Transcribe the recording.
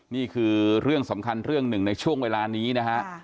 นี่คือเรื่องสำคัญเรื่องหนึ่งในช่วงเวลานี้นะฮะ